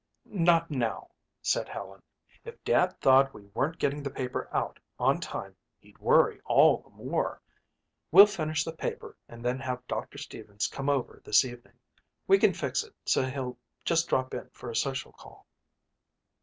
"Not now," said Helen. "If Dad thought we weren't getting the paper out on time he'd worry all the more. We'll finish the paper and then have Doctor Stevens come over this evening. We can fix it so he'll just drop in for a social call."